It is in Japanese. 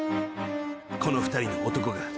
［この２人の男が］